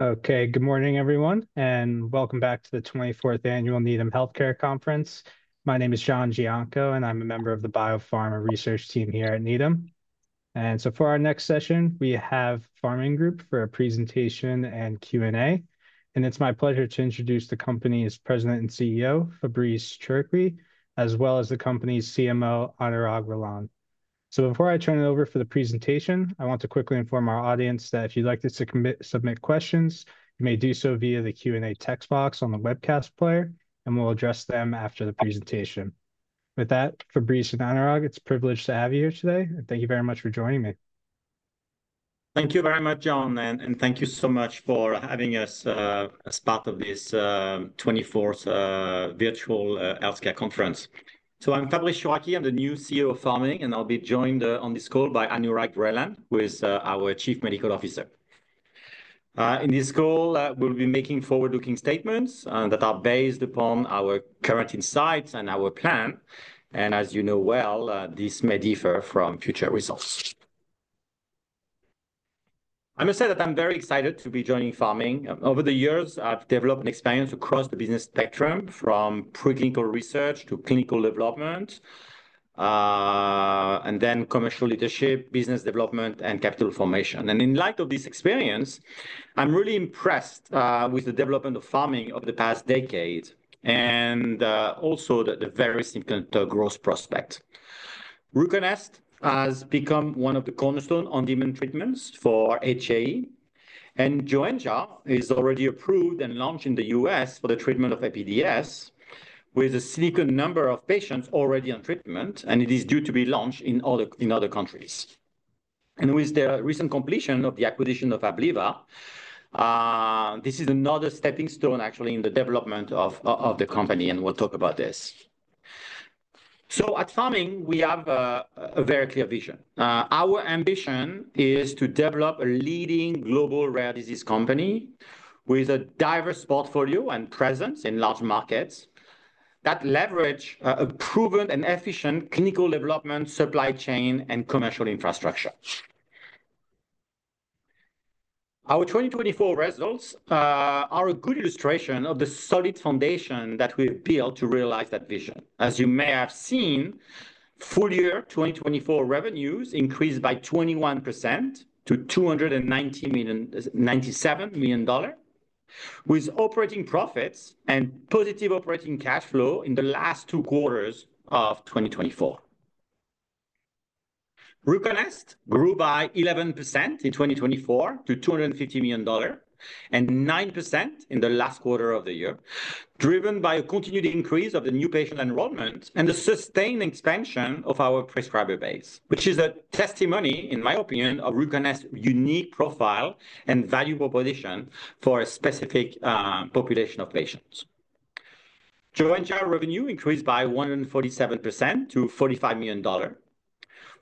Okay, good morning, everyone, and welcome back to the 24th Annual Needham Healthcare Conference. My name is John Gionco, and I'm a member of the BioPharma research team here at Needham. For our next session, we have Pharming Group for a presentation and Q&A, and it's my pleasure to introduce the company's President and CEO, Fabrice Chouraqui, as well as the company's CMO, Anurag Relan. Before I turn it over for the presentation, I want to quickly inform our audience that if you'd like to submit questions, you may do so via the Q&A text box on the webcast player, and we'll address them after the presentation. With that, Fabrice and Anurag, it's a privilege to have you here today, and thank you very much for joining me. Thank you very much, John, and thank you so much for having us as part of this 24th virtual healthcare conference. I am Fabrice Chouraqui, I am the new CEO of Pharming, and I will be joined on this call by Anurag Relan, who is our Chief Medical Officer. In this call, we will be making forward-looking statements that are based upon our current insights and our plan, and as you know well, this may differ from future results. I must say that I am very excited to be joining Pharming. Over the years, I have developed an experience across the business spectrum, from preclinical research to clinical development, and then commercial leadership, business development, and capital formation. In light of this experience, I am really impressed with the development of Pharming over the past decade and also the very simple growth prospect. RUCONEST has become one of the cornerstone on demand treatments for HAE, and Joenja is already approved and launched in the US for the treatment of APDS, with a significant number of patients already on treatment, and it is due to be launched in other countries. With the recent completion of the acquisition of Abliva, this is another stepping stone actually in the development of the company, and we'll talk about this. At Pharming, we have a very clear vision. Our ambition is to develop a leading global rare disease company with a diverse portfolio and presence in large markets that leverage a proven and efficient clinical development, supply chain, and commercial infrastructure. Our 2024 results are a good illustration of the solid foundation that we've built to realize that vision. As you may have seen, full year 2024 revenues increased by 21% to $297 million, with operating profits and positive operating cash flow in the last two quarters of 2024. RUCONEST grew by 11% in 2024 to $250 million and 9% in the last quarter of the year, driven by a continued increase of the new patient enrollment and the sustained expansion of our prescriber base, which is a testimony, in my opinion, of RUCONEST's unique profile and valuable position for a specific population of patients. Joenja revenue increased by 147% to $45 million.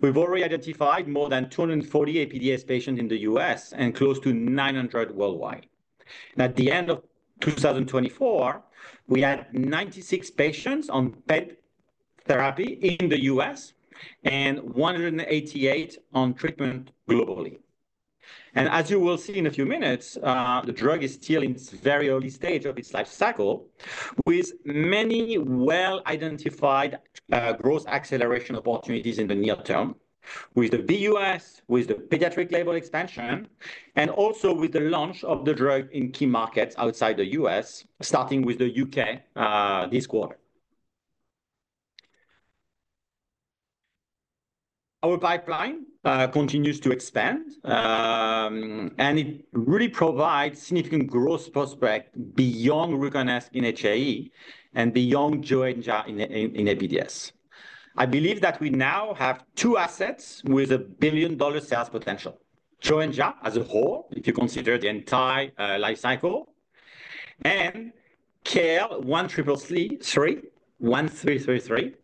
We've already identified more than 240 APDS patients in the US and close to 900 worldwide. At the end of 2024, we had 96 patients on paid therapy in the US and 188 on treatment globally. As you will see in a few minutes, the drug is still in its very early stage of its life cycle, with many well-identified growth acceleration opportunities in the near term, with the U.S., with the pediatric label expansion, and also with the launch of the drug in key markets outside the U.S., starting with the U.K. this quarter. Our pipeline continues to expand, and it really provides significant growth prospects beyond RUCONEST in HAE and beyond Joenja in APDS. I believe that we now have two assets with a billion-dollar sales potential: Joenja as a whole, if you consider the entire life cycle, and KL1333,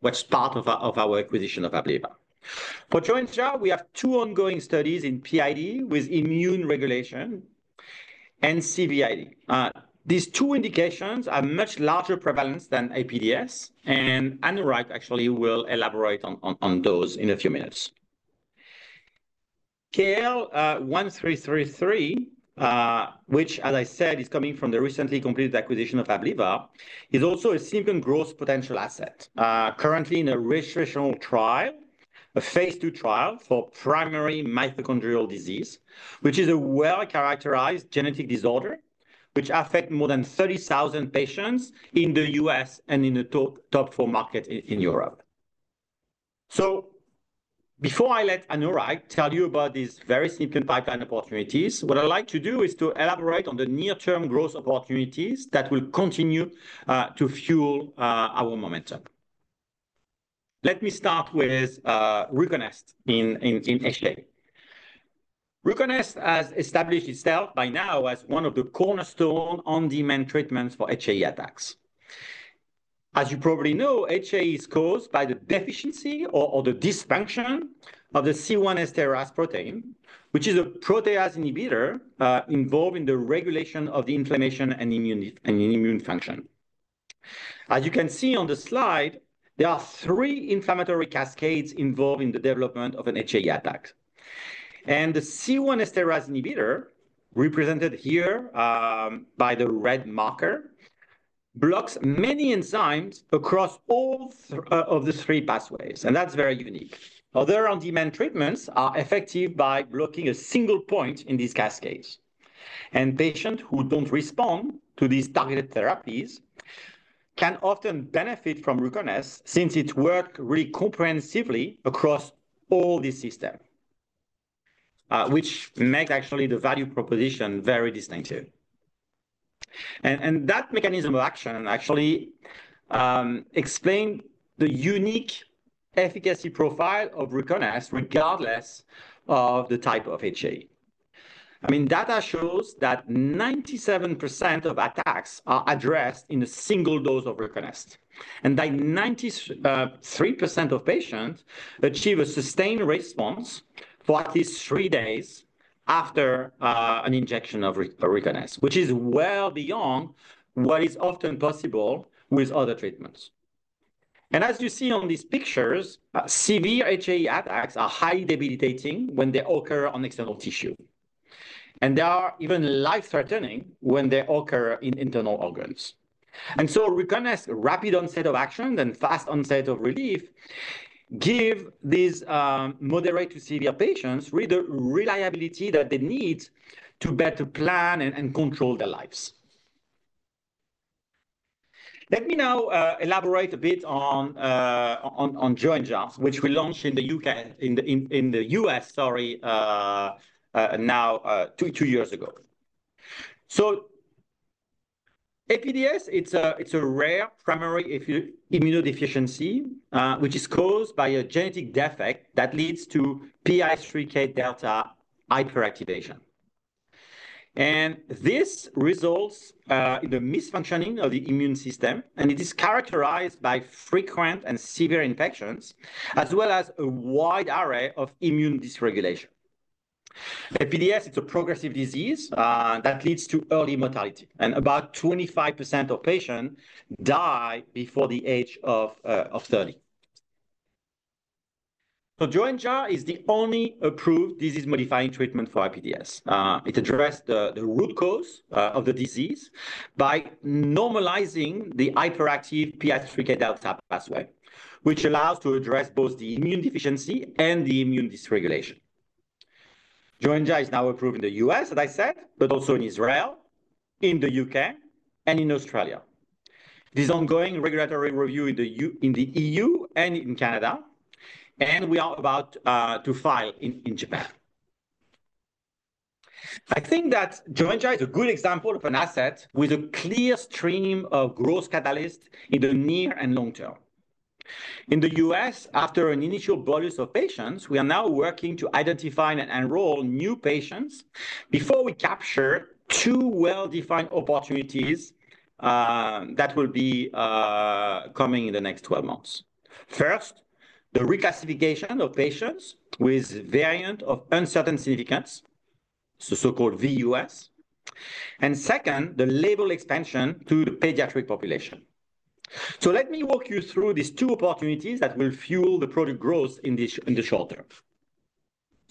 which is part of our acquisition of Abliva. For Joenja, we have two ongoing studies in PID with immune dysregulation and CVID. These two indications have much larger prevalence than APDS, and Anurag actually will elaborate on those in a few minutes. KL1333, which, as I said, is coming from the recently completed acquisition of Abliva, is also a significant growth potential asset, currently in a registration trial, a phase II trial for primary mitochondrial disease, which is a well-characterized genetic disorder affecting more than 30,000 patients in the US and in the top four markets in Europe. Before I let Anurag tell you about these very significant pipeline opportunities, what I'd like to do is to elaborate on the near-term growth opportunities that will continue to fuel our momentum. Let me start with RUCONEST in HAE. RUCONEST has established itself by now as one of the cornerstone on demand treatments for HAE attacks. As you probably know, HAE is caused by the deficiency or the dysfunction of the C1 esterase protein, which is a protease inhibitor involved in the regulation of the inflammation and immune function. As you can see on the slide, there are three inflammatory cascades involved in the development of an HAE attack. The C1 esterase inhibitor, represented here by the red marker, blocks many enzymes across all of the three pathways, and that's very unique. Other on-demand treatments are effective by blocking a single point in these cascades. Patients who don't respond to these targeted therapies can often benefit from RUCONEST since it works really comprehensively across all these systems, which makes actually the value proposition very distinctive. That mechanism of action actually explains the unique efficacy profile of RUCONEST regardless of the type of HAE. I mean, data shows that 97% of attacks are addressed in a single dose of RUCONEST, and that 93% of patients achieve a sustained response for at least three days after an injection of RUCONEST, which is well beyond what is often possible with other treatments. As you see on these pictures, severe HAE attacks are highly debilitating when they occur on external tissue, and they are even life-threatening when they occur in internal organs. RUCONEST's rapid onset of action and fast onset of relief give these moderate to severe patients really the reliability that they need to better plan and control their lives. Let me now elaborate a bit on Joenja, which we launched in the U.S., sorry, now two years ago. APDS, it's a rare primary immunodeficiency, which is caused by a genetic defect that leads to PI3K delta hyperactivation. This results in the misfunctioning of the immune system, and it is characterized by frequent and severe infections, as well as a wide array of immune dysregulation. APDS, it's a progressive disease that leads to early mortality, and about 25% of patients die before the age of 30. Joenja is the only approved disease-modifying treatment for APDS. It addressed the root cause of the disease by normalizing the hyperactive PI3K delta pathway, which allows us to address both the immune deficiency and the immune dysregulation. Joenja is now approved in the US, as I said, but also in Israel, in the U.K., and in Australia. It is ongoing regulatory review in the EU and in Canada, and we are about to file in Japan. I think that Joenja is a good example of an asset with a clear stream of growth catalyst in the near and long term. In the U.S., after an initial bolus of patients, we are now working to identify and enroll new patients before we capture two well-defined opportunities that will be coming in the next 12 months. First, the reclassification of patients with variants of uncertain significance, the so-called VUS, and second, the label expansion to the pediatric population. Let me walk you through these two opportunities that will fuel the product growth in the short term.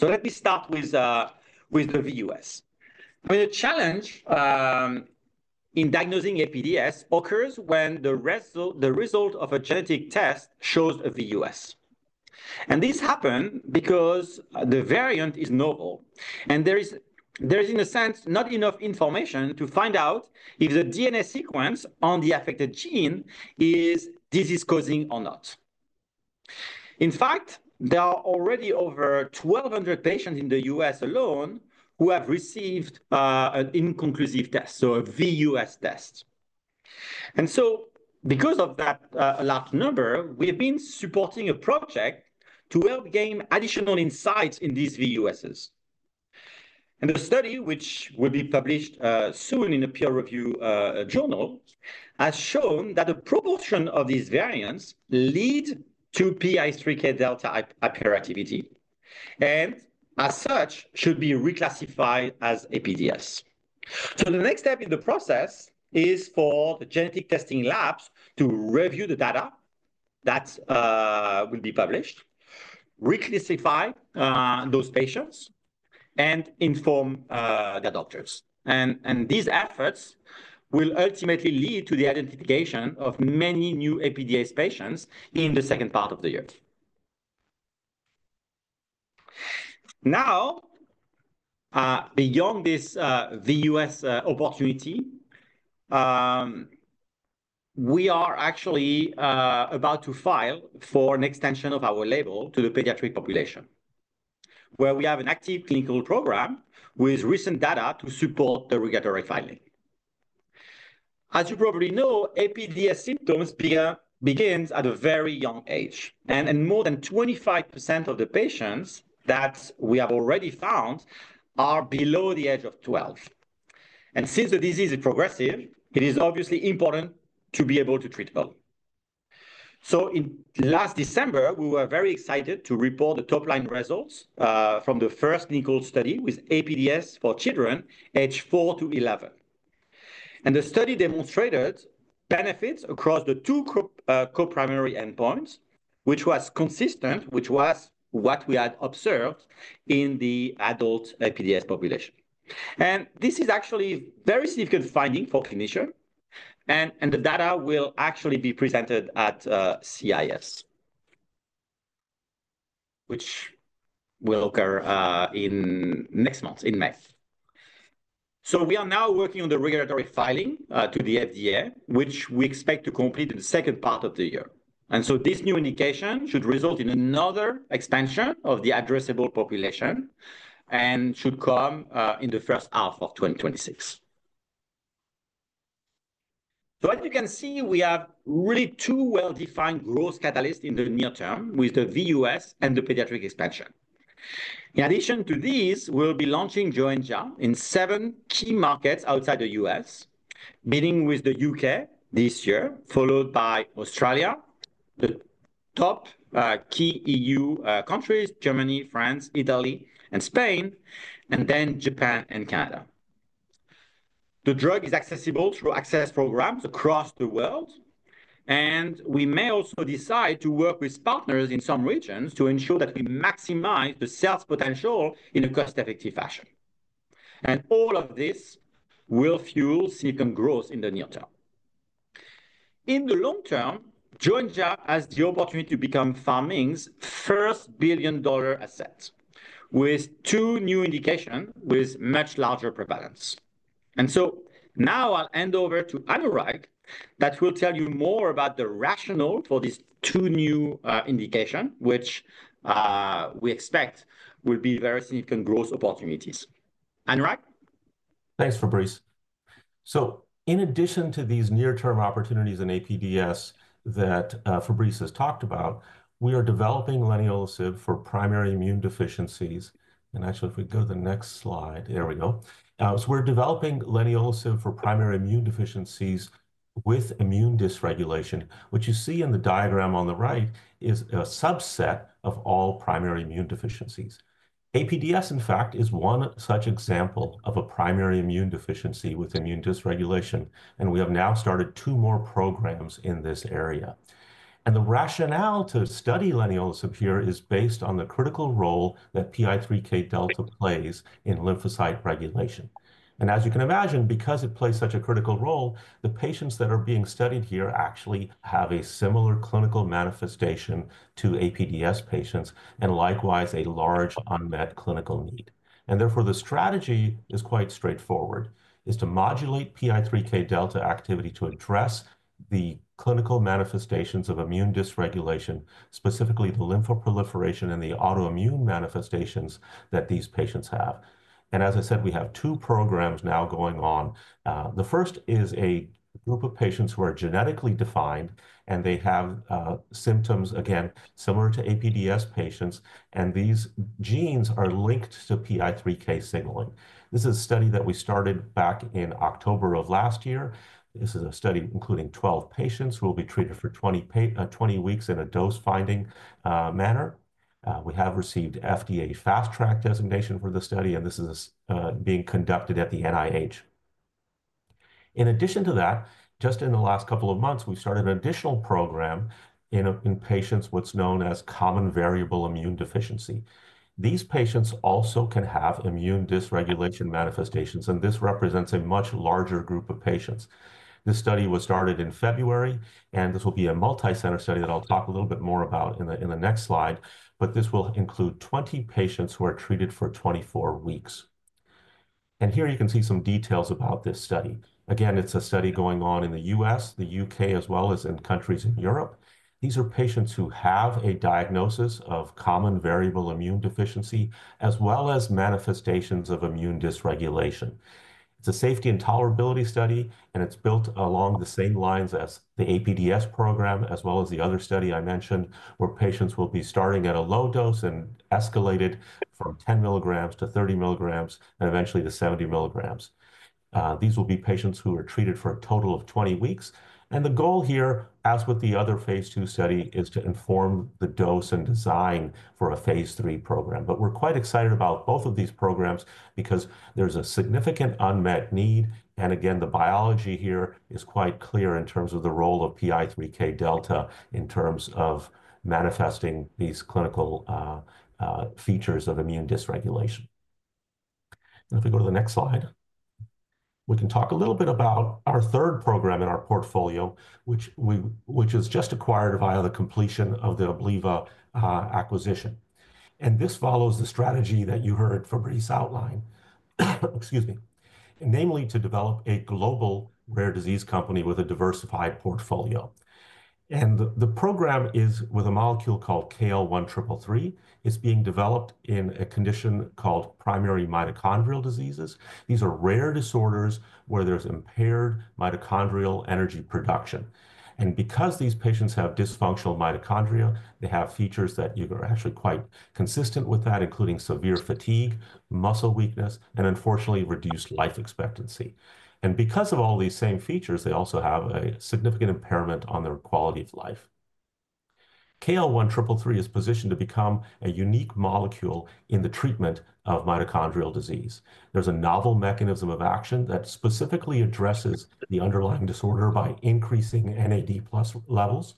Let me start with the VUS. I mean, the challenge in diagnosing APDS occurs when the result of a genetic test shows a VUS. This happens because the variant is novel, and there is, in a sense, not enough information to find out if the DNA sequence on the affected gene is disease-causing or not. In fact, there are already over 1,200 patients in the US alone who have received an inconclusive test, so a VUS test. Because of that large number, we have been supporting a project to help gain additional insights in these VUSs. The study, which will be published soon in a peer-reviewed journal, has shown that the proportion of these variants leads to PI3K delta hyperactivity, and as such, should be reclassified as APDS. The next step in the process is for the genetic testing labs to review the data that will be published, reclassify those patients, and inform the doctors. These efforts will ultimately lead to the identification of many new APDS patients in the second part of the year. Now, beyond this VUS opportunity, we are actually about to file for an extension of our label to the pediatric population, where we have an active clinical program with recent data to support the regulatory filing. As you probably know, APDS symptoms begin at a very young age, and more than 25% of the patients that we have already found are below the age of 12. Since the disease is progressive, it is obviously important to be able to treat them. Last December, we were very excited to report the top-line results from the first clinical study with APDS for children aged 4 to 11. The study demonstrated benefits across the two co-primary endpoints, which was consistent, which was what we had observed in the adult APDS population. This is actually a very significant finding for clinicians, and the data will actually be presented at CIS, which will occur next month, in May. We are now working on the regulatory filing to the FDA, which we expect to complete in the second part of the year. This new indication should result in another expansion of the addressable population and should come in the first half of 2026. As you can see, we have really two well-defined growth catalysts in the near term with the VUS and the pediatric expansion. In addition to these, we'll be launching Joenja in seven key markets outside the U.S., beginning with the U.K. this year, followed by Australia, the top key EU countries, Germany, France, Italy, and Spain, and then Japan and Canada. The drug is accessible through access programs across the world, and we may also decide to work with partners in some regions to ensure that we maximize the sales potential in a cost-effective fashion. All of this will fuel significant growth in the near term. In the long term, Joenja has the opportunity to become Pharming's first billion-dollar asset, with two new indications with much larger prevalence. Now I'll hand over to Anurag that will tell you more about the rationale for these two new indications, which we expect will be very significant growth opportunities. Anurag? Thanks, Fabrice. In addition to these near-term opportunities in APDS that Fabrice has talked about, we are developing leniolisib for primary immune deficiencies. Actually, if we go to the next slide, there we go. We are developing leniolisib for primary immune deficiencies with immune dysregulation. What you see in the diagram on the right is a subset of all primary immune deficiencies. APDS, in fact, is one such example of a primary immune deficiency with immune dysregulation, and we have now started two more programs in this area. The rationale to study leniolisib here is based on the critical role that PI3K delta plays in lymphocyte regulation. As you can imagine, because it plays such a critical role, the patients that are being studied here actually have a similar clinical manifestation to APDS patients and likewise a large unmet clinical need. Therefore, the strategy is quite straightforward: to modulate PI3K delta activity to address the clinical manifestations of immune dysregulation, specifically the lymphoproliferation and the autoimmune manifestations that these patients have. As I said, we have two programs now going on. The first is a group of patients who are genetically defined, and they have symptoms, again, similar to APDS patients, and these genes are linked to PI3K signaling. This is a study that we started back in October of last year. This is a study including 12 patients who will be treated for 20 weeks in a dose-finding manner. We have received FDA Fast Track designation for the study, and this is being conducted at the National Institutes of Health. In addition to that, just in the last couple of months, we started an additional program in patients with what's known as common variable immune deficiency. These patients also can have immune dysregulation manifestations, and this represents a much larger group of patients. This study was started in February, and this will be a multicenter study that I'll talk a little bit more about in the next slide. This will include 20 patients who are treated for 24 weeks. Here you can see some details about this study. Again, it's a study going on in the U.S., the U.K., as well as in countries in Europe. These are patients who have a diagnosis of common variable immune deficiency, as well as manifestations of immune dysregulation. It's a safety and tolerability study, and it's built along the same lines as the APDS program, as well as the other study I mentioned, where patients will be starting at a low dose and escalated from 10 milligrams to 30 milligrams, and eventually to 70 milligrams. These will be patients who are treated for a total of 20 weeks. The goal here, as with the other phase II study, is to inform the dose and design for a phase III program. We are quite excited about both of these programs because there is a significant unmet need. Again, the biology here is quite clear in terms of the role of PI3K delta in terms of manifesting these clinical features of immune dysregulation. If we go to the next slide, we can talk a little bit about our third program in our portfolio, which was just acquired via the completion of the Abliva acquisition. This follows the strategy that you heard Fabrice outline, excuse me, namely to develop a global rare disease company with a diversified portfolio. The program is with a molecule called KL1333. is being developed in a condition called primary mitochondrial diseases. These are rare disorders where there is impaired mitochondrial energy production. Because these patients have dysfunctional mitochondria, they have features that are actually quite consistent with that, including severe fatigue, muscle weakness, and unfortunately, reduced life expectancy. Because of all these same features, they also have a significant impairment on their quality of life. KL1333 is positioned to become a unique molecule in the treatment of mitochondrial disease. There is a novel mechanism of action that specifically addresses the underlying disorder by increasing NAD+ levels.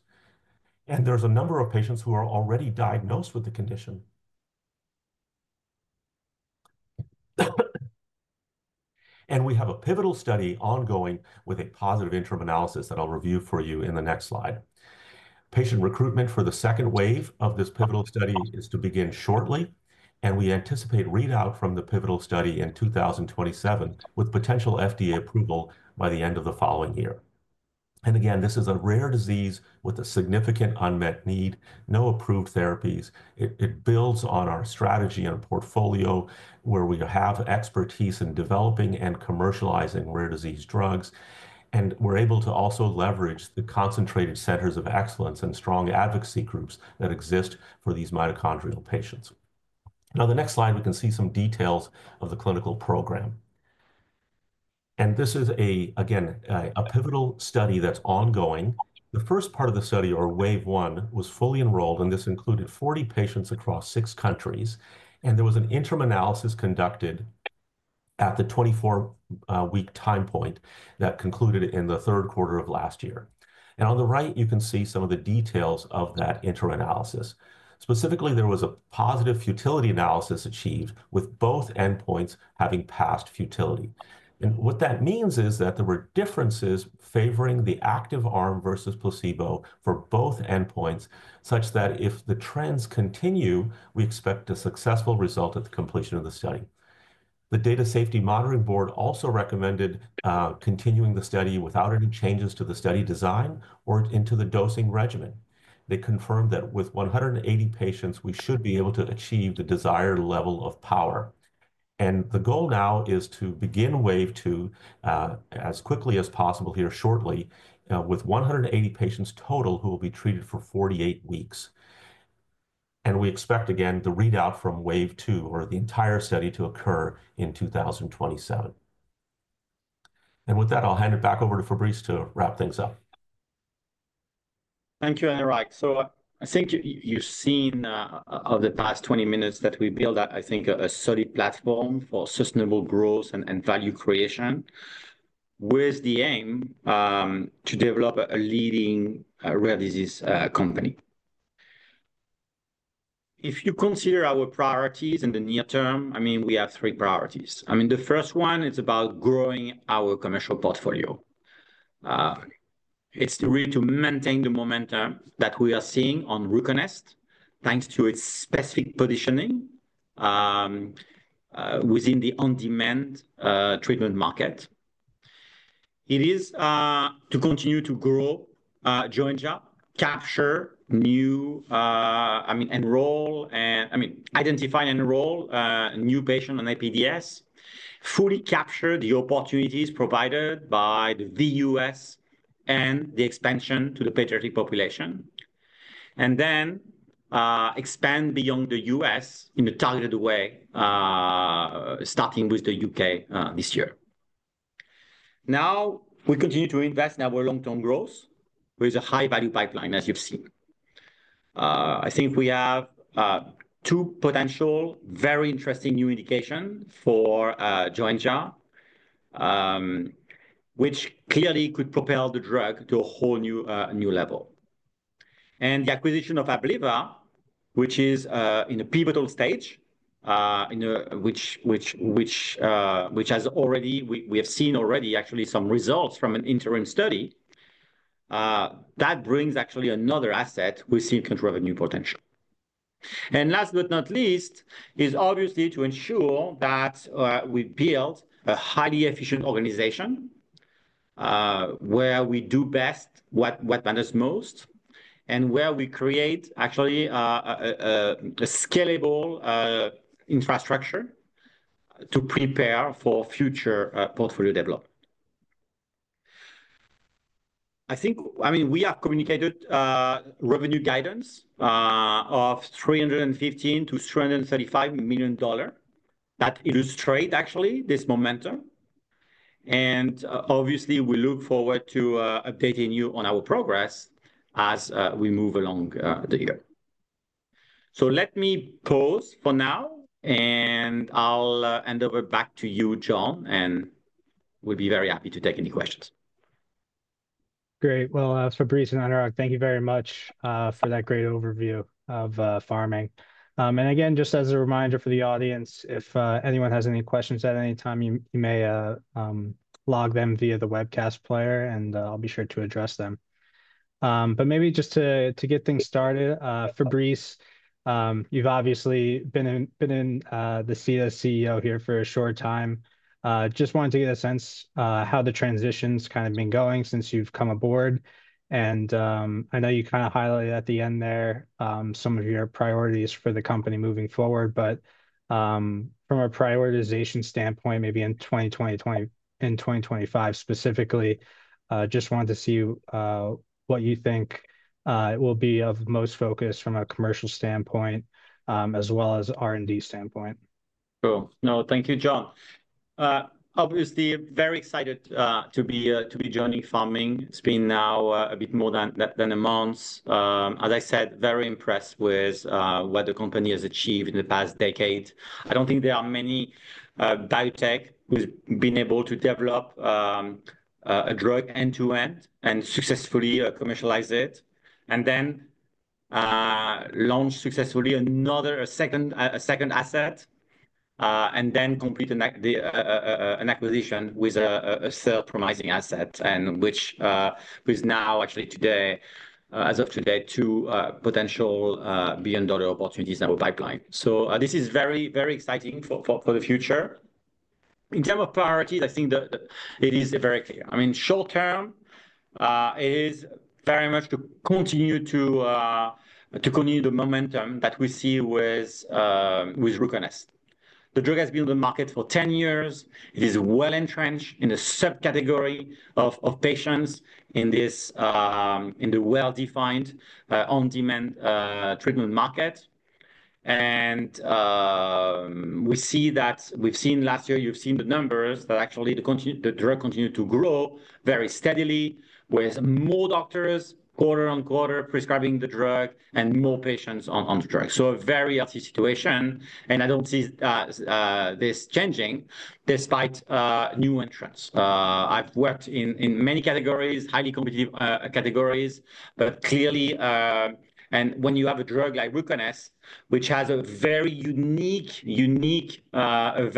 There are a number of patients who are already diagnosed with the condition. We have a pivotal study ongoing with a positive interim analysis that I will review for you in the next slide. Patient recruitment for the second wave of this pivotal study is to begin shortly, and we anticipate readout from the pivotal study in 2027 with potential FDA approval by the end of the following year. This is a rare disease with a significant unmet need, no approved therapies. It builds on our strategy and portfolio where we have expertise in developing and commercializing rare disease drugs. We are able to also leverage the concentrated centers of excellence and strong advocacy groups that exist for these mitochondrial patients. Now, the next slide, we can see some details of the clinical program. This is, again, a pivotal study that's ongoing. The first part of the study, or wave one, was fully enrolled, and this included 40 patients across six countries. There was an interim analysis conducted at the 24-week time point that concluded in the third quarter of last year. On the right, you can see some of the details of that interim analysis. Specifically, there was a positive futility analysis achieved with both endpoints having passed futility. What that means is that there were differences favoring the active arm versus placebo for both endpoints, such that if the trends continue, we expect a successful result at the completion of the study. The Data Safety Monitoring Board also recommended continuing the study without any changes to the study design or to the dosing regimen. They confirmed that with 180 patients, we should be able to achieve the desired level of power. The goal now is to begin wave two as quickly as possible here shortly, with 180 patients total who will be treated for 48 weeks. We expect, again, the readout from wave two, or the entire study, to occur in 2027. With that, I'll hand it back over to Fabrice to wrap things up. Thank you, Anurag. I think you've seen over the past 20 minutes that we've built, I think, a solid platform for sustainable growth and value creation, with the aim to develop a leading rare disease company. If you consider our priorities in the near term, I mean, we have three priorities. I mean, the first one is about growing our commercial portfolio. It's really to maintain the momentum that we are seeing on RUCONEST, thanks to its specific positioning within the on-demand treatment market. It is to continue to grow Joenja, capture new, I mean, enroll, and I mean, identify and enroll new patients on APDS, fully capture the opportunities provided by the VUS and the expansion to the pediatric population, and then expand beyond the U.S. in a targeted way, starting with the U.K. this year. Now, we continue to invest in our long-term growth with a high-value pipeline, as you've seen. I think we have two potential very interesting new indications for Joenja, which clearly could propel the drug to a whole new level. The acquisition of Abliva, which is in a pivotal stage, which has already, we have seen already actually some results from an interim study, that brings actually another asset with significant revenue potential. Last but not least, it is obviously to ensure that we build a highly efficient organization where we do best what matters most, and where we create actually a scalable infrastructure to prepare for future portfolio development. I think, I mean, we have communicated revenue guidance of $315 million-$335 million that illustrate actually this momentum. Obviously, we look forward to updating you on our progress as we move along the year. Let me pause for now, and I'll hand over back to you, John, and we'll be very happy to take any questions. Great. Fabrice and Anurag, thank you very much for that great overview of Pharming. Again, just as a reminder for the audience, if anyone has any questions at any time, you may log them via the webcast player, and I'll be sure to address them. Maybe just to get things started, Fabrice, you've obviously been in the seat as CEO here for a short time. Just wanted to get a sense of how the transition's kind of been going since you've come aboard. I know you kind of highlighted at the end there some of your priorities for the company moving forward, but from a prioritization standpoint, maybe in 2025 specifically, just wanted to see what you think it will be of most focus from a commercial standpoint as well as R&D standpoint. Cool. No, thank you, John. Obviously, very excited to be joining Pharming. It's been now a bit more than a month. As I said, very impressed with what the company has achieved in the past decade. I don't think there are many biotech who've been able to develop a drug end-to-end and successfully commercialize it, and then launch successfully another second asset, and then complete an acquisition with a third promising asset, which is now actually today, as of today, two potential billion-dollar opportunities in our pipeline. This is very, very exciting for the future. In terms of priorities, I think it is very clear. I mean, short-term, it is very much to continue the momentum that we see with RUCONEST. The drug has been on the market for 10 years. It is well entrenched in a subcategory of patients in the well-defined on-demand treatment market. We see that we've seen last year, you've seen the numbers that actually the drug continued to grow very steadily with more doctors quarter on quarter prescribing the drug and more patients on the drug. A very healthy situation. I don't see this changing despite new entrants. I've worked in many categories, highly competitive categories, but clearly, when you have a drug like RUCONEST, which has a very unique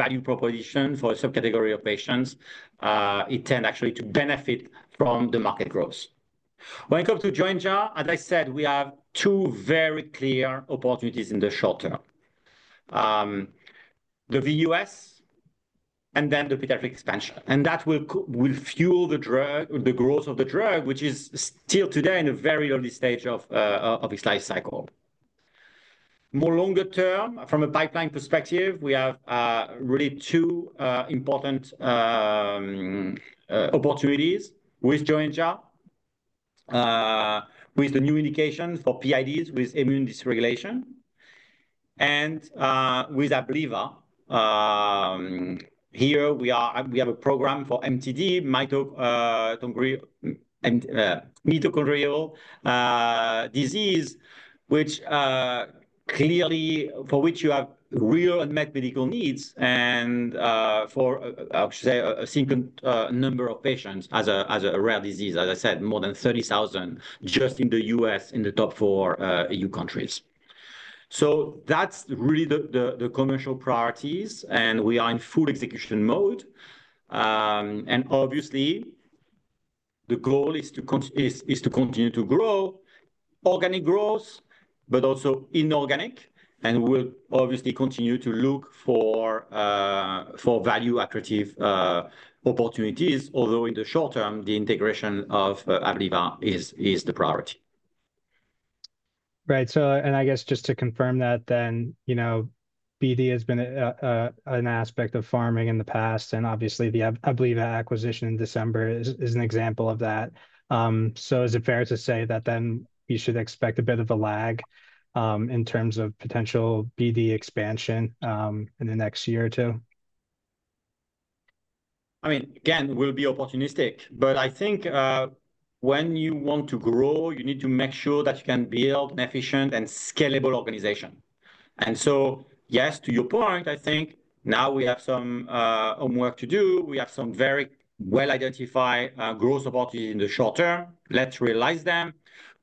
value proposition for a subcategory of patients, it tends actually to benefit from the market growth. When it comes to Joenja, as I said, we have two very clear opportunities in the short term: the VUS and then the pediatric expansion. That will fuel the growth of the drug, which is still today in a very early stage of its life cycle. More longer term, from a pipeline perspective, we have really two important opportunities with Joenja, with the new indications for PIDs with immune dysregulation, and with Abliva. Here we have a program for PTD, mitochondrial disease, which clearly for which you have real unmet medical needs and for, I should say, a single number of patients as a rare disease. As I said, more than 30,000 just in the US, in the top four EU countries. That is really the commercial priorities, and we are in full execution mode. Obviously, the goal is to continue to grow organic growth, but also inorganic. We will obviously continue to look for value-attractive opportunities, although in the short term, the integration of Abliva is the priority. Right. I guess just to confirm that then, BD has been an aspect of Pharming in the past, and obviously, the Abliva acquisition in December is an example of that. Is it fair to say that then you should expect a bit of a lag in terms of potential BD expansion in the next year or two? I mean, again, we'll be opportunistic, but I think when you want to grow, you need to make sure that you can build an efficient and scalable organization. Yes, to your point, I think now we have some homework to do. We have some very well-identified growth opportunities in the short term. Let's realize them.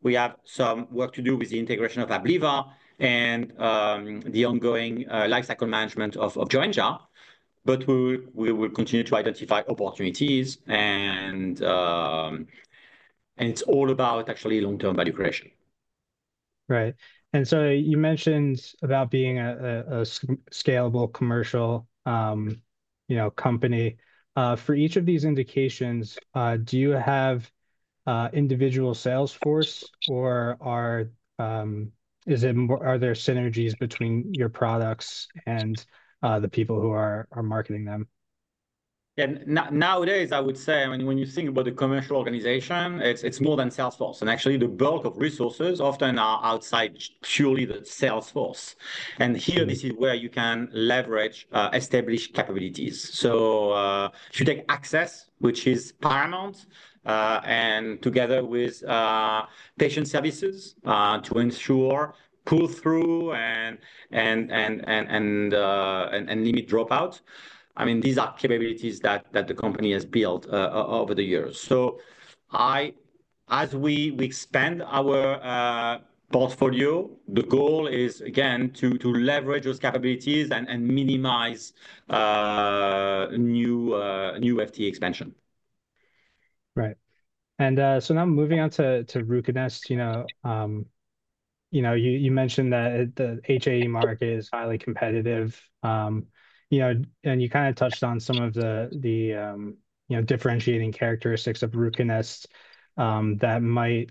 We have some work to do with the integration of Abliva and the ongoing lifecycle management of Joenja. We will continue to identify opportunities, and it's all about actually long-term value creation. Right. You mentioned about being a scalable commercial company. For each of these indications, do you have individual salesforce, or are there synergies between your products and the people who are marketing them? Nowadays, I would say, I mean, when you think about the commercial organization, it's more than salesforce. Actually, the bulk of resources often are outside purely the salesforce. Here, this is where you can leverage established capabilities. If you take access, which is paramount, and together with patient services to ensure pull-through and limit dropout, I mean, these are capabilities that the company has built over the years. As we expand our portfolio, the goal is, again, to leverage those capabilities and minimize new FTE expansion. Right. Now moving on to RUCONEST, you mentioned that the HAE market is highly competitive. You kind of touched on some of the differentiating characteristics of RUCONEST that might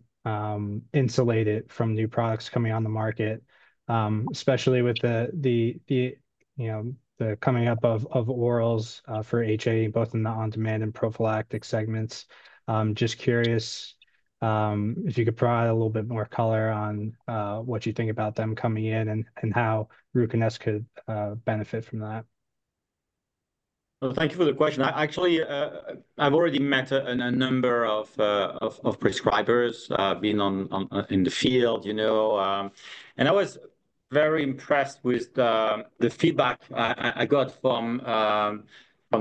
insulate it from new products coming on the market, especially with the coming up of orals for HAE, both in the on-demand and prophylactic segments. Just curious if you could provide a little bit more color on what you think about them coming in and how RUCONEST could benefit from that. Thank you for the question. Actually, I have already met a number of prescribers being in the field. I was very impressed with the feedback I got from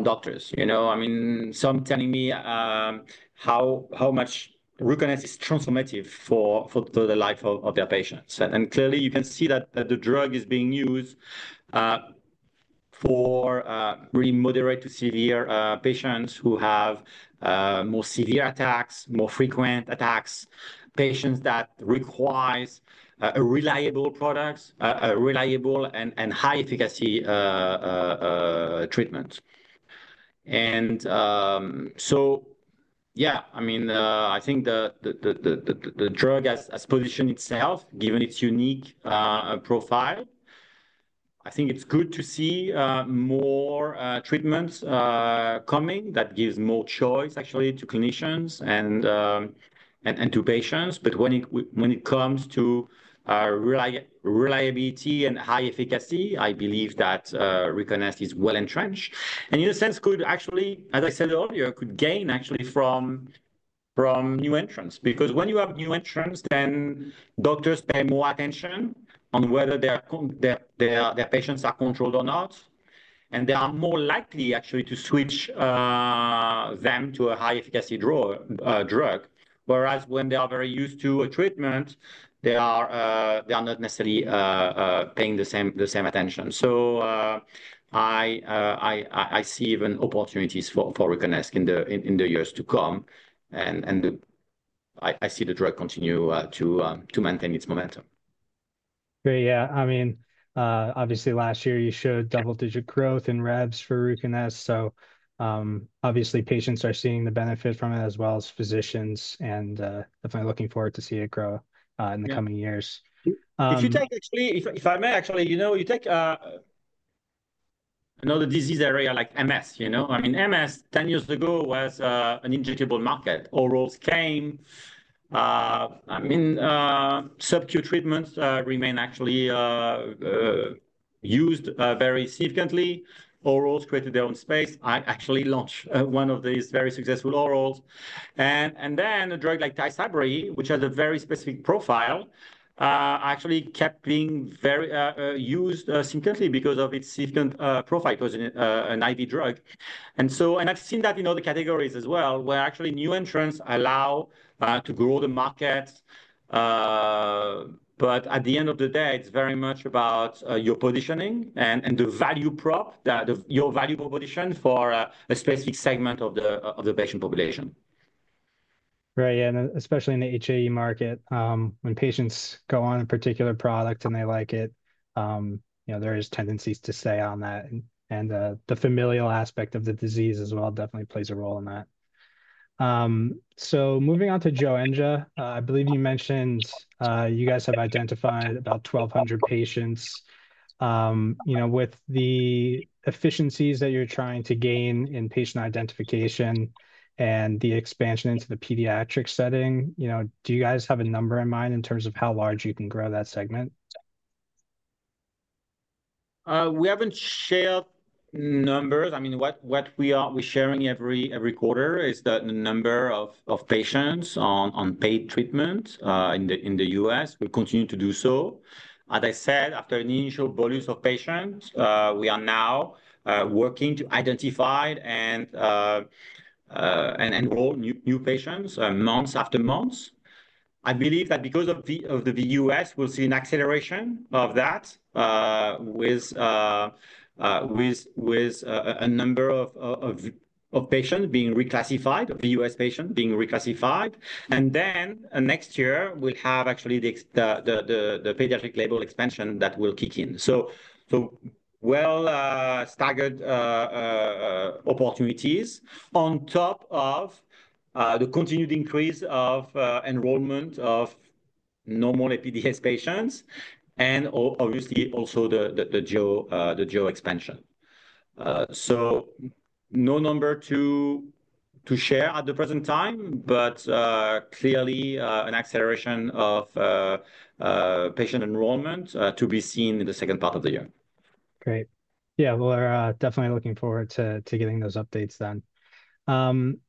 doctors. I mean, some telling me how much RUCONEST is transformative for the life of their patients. Clearly, you can see that the drug is being used for really moderate to severe patients who have more severe attacks, more frequent attacks, patients that require a reliable product, a reliable and high-efficacy treatment. Yeah, I mean, I think the drug has positioned itself, given its unique profile. I think it's good to see more treatments coming that give more choice, actually, to clinicians and to patients. When it comes to reliability and high efficacy, I believe that RUCONEST is well entrenched. In a sense, actually, as I said earlier, it could gain actually from new entrants. Because when you have new entrants, then doctors pay more attention on whether their patients are controlled or not. They are more likely actually to switch them to a high-efficacy drug. Whereas when they are very used to a treatment, they are not necessarily paying the same attention. I see even opportunities for RUCONEST in the years to come. I see the drug continue to maintain its momentum. Great. Yeah. I mean, obviously, last year, you showed double-digit growth in reps for RUCONEST. So obviously, patients are seeing the benefit from it as well as physicians, and definitely looking forward to seeing it grow in the coming years. If you take, actually, if I may, actually, you take another disease area like MS. I mean, MS, 10 years ago, was an injectable market. Orals came. I mean, subcutaneous treatments remain actually used very significantly. Orals created their own space. I actually launched one of these very successful orals. And then a drug like Tysabri, which has a very specific profile, actually kept being used significantly because of its significant profile. It was an IV drug. I have seen that in other categories as well, where actually new entrants allow to grow the market. At the end of the day, it's very much about your positioning and the value prop, your valuable position for a specific segment of the patient population. Right. Yeah. Especially in the HAE market, when patients go on a particular product and they like it, there are tendencies to stay on that. The familial aspect of the disease as well definitely plays a role in that. Moving on to Joenja, I believe you mentioned you guys have identified about 1,200 patients. With the efficiencies that you're trying to gain in patient identification and the expansion into the pediatric setting, do you guys have a number in mind in terms of how large you can grow that segment? We haven't shared numbers. I mean, what we are sharing every quarter is the number of patients on paid treatment in the US. We continue to do so. As I said, after an initial bolus of patients, we are now working to identify and enroll new patients month after month. I believe that because of the VUS, we'll see an acceleration of that with a number of patients being reclassified, VUS patients being reclassified. Next year, we'll have actually the pediatric label expansion that will kick in. Well-staggered opportunities on top of the continued increase of enrollment of normal APDS patients and obviously also the Joenja expansion. No number to share at the present time, but clearly an acceleration of patient enrollment to be seen in the second part of the year. Great. Yeah. We're definitely looking forward to getting those updates then.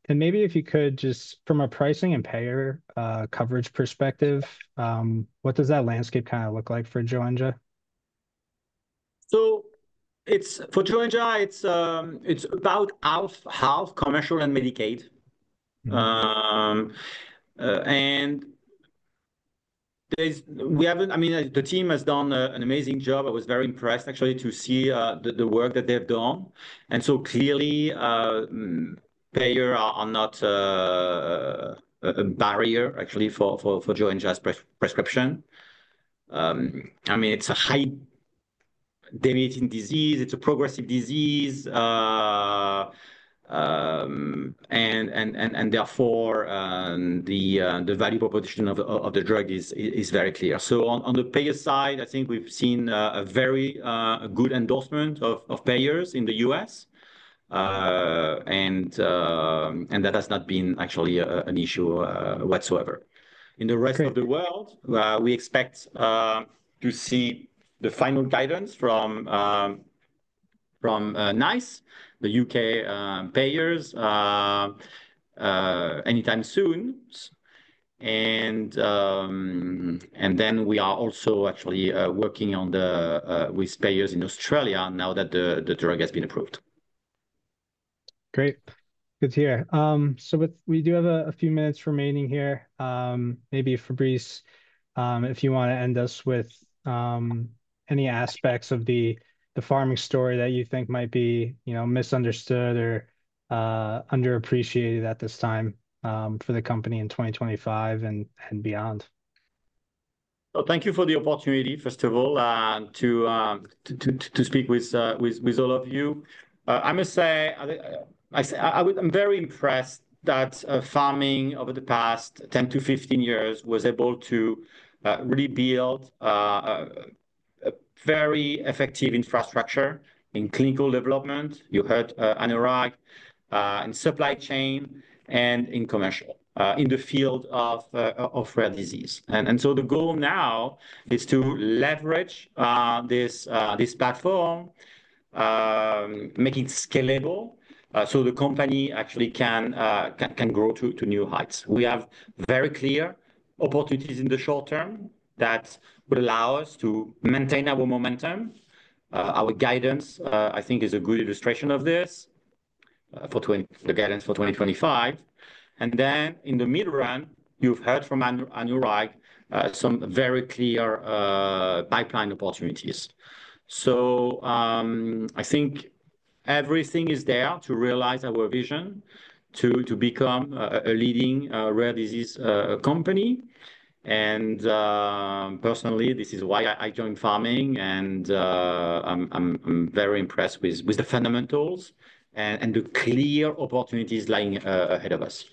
Maybe if you could just from a pricing and payer coverage perspective, what does that landscape kind of look like for Joenja? For Joenja, it's about half commercial and Medicaid. I mean, the team has done an amazing job. I was very impressed, actually, to see the work that they've done. Clearly, payer are not a barrier, actually, for Joenja's prescription. I mean, it's a high deviating disease. It's a progressive disease. Therefore, the value proposition of the drug is very clear. On the payer side, I think we've seen a very good endorsement of payers in the U.S. That has not been actually an issue whatsoever. In the rest of the world, we expect to see the final guidance from NICE, the U.K. payers, anytime soon. We are also actually working with payers in Australia now that the drug has been approved. Great. Good to hear. We do have a few minutes remaining here. Maybe Fabrice, if you want to end us with any aspects of the Pharming story that you think might be misunderstood or underappreciated at this time for the company in 2025 and beyond. Thank you for the opportunity, first of all, to speak with all of you. I must say, I'm very impressed that Pharming over the past 10 to 15 years was able to really build a very effective infrastructure in clinical development. You heard Anurag in supply chain and in commercial in the field of rare disease. The goal now is to leverage this platform, make it scalable so the company actually can grow to new heights. We have very clear opportunities in the short term that would allow us to maintain our momentum. Our guidance, I think, is a good illustration of this for the guidance for 2025. In the mid-run, you've heard from Anurag some very clear pipeline opportunities. I think everything is there to realize our vision, to become a leading rare disease company. Personally, this is why I joined Pharming. I'm very impressed with the fundamentals and the clear opportunities lying ahead of us.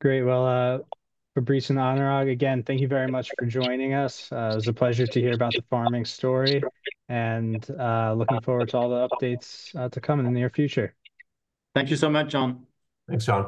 Great. Fabrice and Anurag, again, thank you very much for joining us. It was a pleasure to hear about the Pharming story. Looking forward to all the updates to come in the near future. Thank you so much, John. Thanks, John.